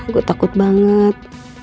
gua takut banget